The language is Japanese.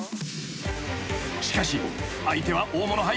［しかし相手は大物俳優］